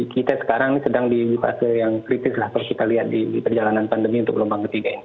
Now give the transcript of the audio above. kita sekarang sedang di fase yang kritis lah kalau kita lihat di perjalanan pandemi untuk gelombang ketiga ini